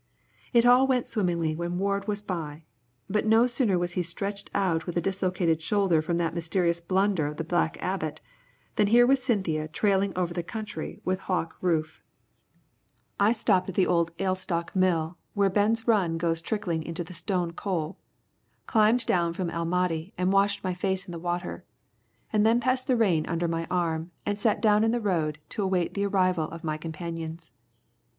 It all went swimmingly when Ward was by, but no sooner was he stretched out with a dislocated shoulder from that mysterious blunder of the Black Abbot, than here was Cynthia trailing over the country with Hawk Rufe. I stopped at the old Alestock mill where Ben's Run goes trickling into the Stone Coal, climbed down from El Mahdi and washed my face in the water, and then passed the rein under my arm and sat down in the road to await the arrival of my companions.